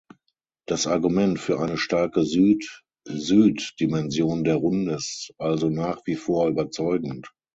Das Argument für eine starke Süd-Süd-Dimension der Runde ist also nach wie vor überzeugend.